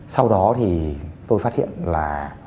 sau đó thì tôi phát hiện là